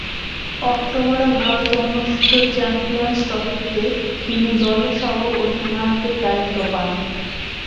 অক্টোবরে ভারতে অনুষ্ঠিত চ্যাম্পিয়ন্স ট্রফিতে তিনি দলের সহ-অধিনায়কের দায়িত্ব পান।